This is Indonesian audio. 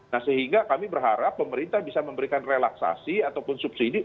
nah sehingga kami berharap pemerintah bisa memberikan relaksasi ataupun subsidi